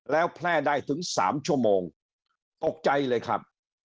แล้วแพร่ได้ถึง๓ชั่วโมงตกใจเลยครับ